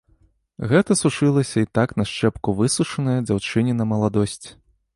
Гэта сушылася й так на шчэпку высушаная дзяўчыніна маладосць.